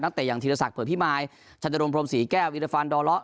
เตะอย่างธีรศักดิเผื่อพิมายชันดรงพรมศรีแก้ววิรฟันดอเลาะ